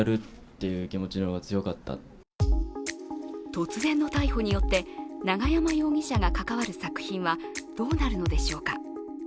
突然の逮捕によって、永山容疑者が関わる作品はどうなるのでしょうか。